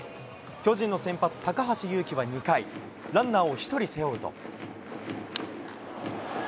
巨人の先発、高橋優貴は２回、ランナーを１人背負うと。